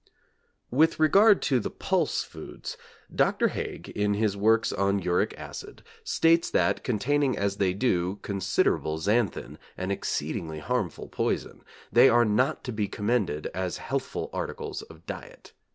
With regard to the pulse foods, Dr. Haig, in his works on uric acid, states that, containing as they do considerable xanthin, an exceedingly harmful poison, they are not to be commended as healthful articles of diet.